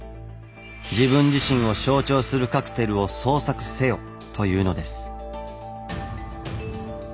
「自分自身を象徴するカクテルを創作せよ」というのです。